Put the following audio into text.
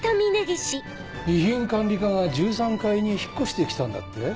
備品管理課が１３階に引っ越して来たんだって？